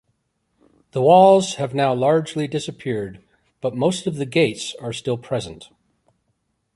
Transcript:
The walls have now largely disappeared, but most of the gates are still present.